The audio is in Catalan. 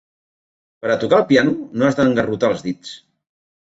Per a tocar el piano, no has d'engarrotar els dits.